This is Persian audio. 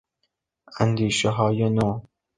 اندیشههای نو